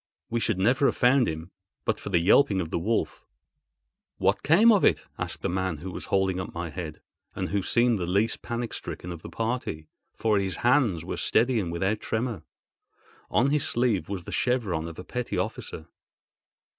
We should never have found him but for the yelping of the wolf." "What became of it?" asked the man who was holding up my head, and who seemed the least panic stricken of the party, for his hands were steady and without tremor. On his sleeve was the chevron of a petty officer.